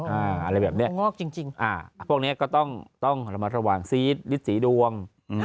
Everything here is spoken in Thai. อะไรแบบนี้พวกนี้ก็ต้องละมาตรวางซี๊ดลิศรีดวง